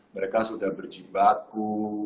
mereka sudah berjibaku